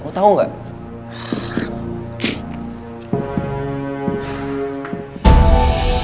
lo tau gak